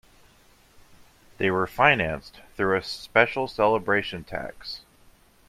They were financed through a special celebration tax.